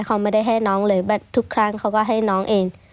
เขาไม่ได้ให้น้องเลยแบบทุกครั้งเขาก็ให้น้องเอง